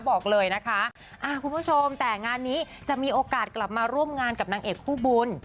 พี่ผู้ชมแต่งานนี้จะมีโอกาสกลับมาร่วมงานกับนางเอกคู่บุญ